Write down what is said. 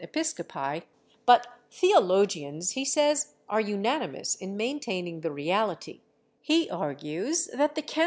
Episcopi, but theologians, he says, are unanimous in maintaining the reality; he argues that the can.